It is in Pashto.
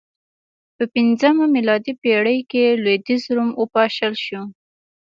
په پنځمه میلادي پېړۍ کې لوېدیځ روم وپاشل شو